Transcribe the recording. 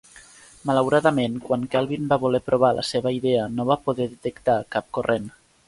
Malauradament, quan Kelvin va voler provar la seva idea, no va poder detectar cap corrent.